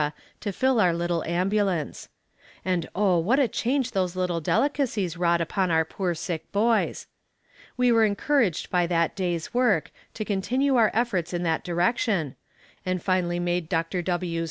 to fill our little ambulance; and oh, what a change those little delicacies wrought upon our poor sick boys. We were encouraged by that day's work, to continue our efforts in that direction, and finally made Dr. W.'